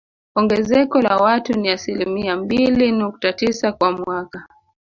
Ongezeko la watu ni asilimia mbili nukta tisa kwa mwaka